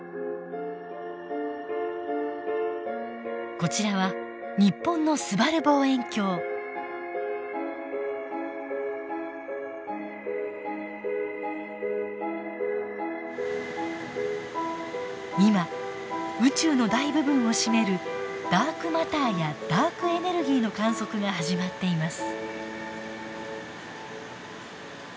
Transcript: こちらは日本の今宇宙の大部分を占めるダークマターやダークエネルギーの観測が始まっています。